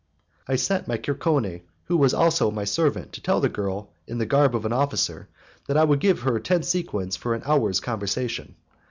"I sent my cicerone, who was also my servant, to tell the girl in the garb of an officer that I would give her ten sequins for an hour's conversation.